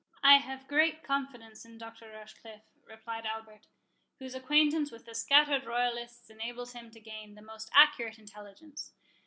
"I have great confidence in Dr. Rochecliffe," replied Albert, "whose acquaintance with the scattered royalists enables him to gain the most accurate intelligence.